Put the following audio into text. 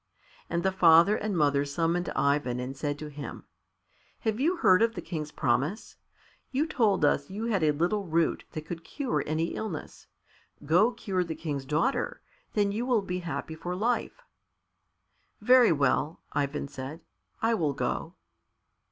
And the father and mother summoned Ivan and said to him, "Have you heard of the King's promise? You told us you had a little root that could cure any sickness; go, cure the King's daughter, you will then be happy for life." "Very well," Ivan said, "I will go."